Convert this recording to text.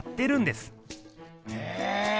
へえ！